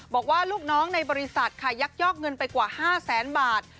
บอกว่าลูกน้องในบริษัทค่ะยักยอกเงินไปกว่า๕แสนบาท